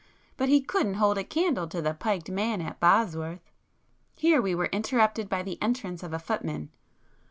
But he couldn't hold a candle to the piked man at Bosworth." Here we were interrupted by the entrance of a footman.